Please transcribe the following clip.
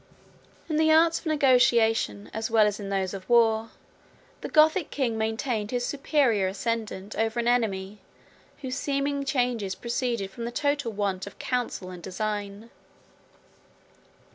] In the arts of negotiation, as well as in those of war, the Gothic king maintained his superior ascendant over an enemy, whose seeming changes proceeded from the total want of counsel and design.